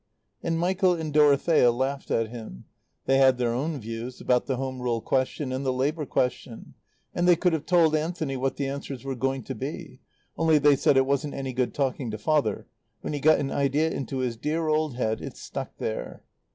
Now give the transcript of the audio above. And Michael and Dorothea laughed at him. They had their own views about the Home Rule question and the Labor question, and they could have told Anthony what the answers were going to be; only they said it wasn't any good talking to Father; when he got an idea into his dear old head it stuck there.